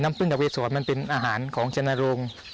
น้ำผึ้งและกไว้สวนมันเป็นอาหารของชนะโรง